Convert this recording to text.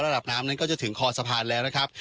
ระดับน้ำนั้นก็จะถึงคอสะพานแล้วนะครับ